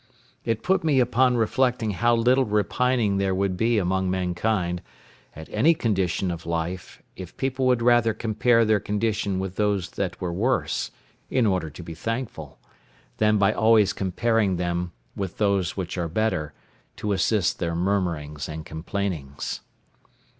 It put me upon reflecting how little repining there would be among mankind at any condition of life if people would rather compare their condition with those that were worse, in order to be thankful, than be always comparing them with those which are better, to assist their murmurings and complainings.